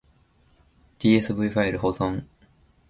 tsv ファイル保存